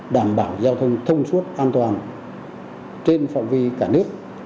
đảm bảo giao thông thông suốt an toàn trên phạm vi cả nước